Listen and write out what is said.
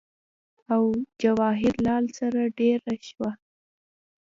او جواهر لال سره دېره شو